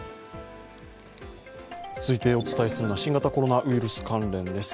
続いてお伝えするのは新型コロナウイルス関連です。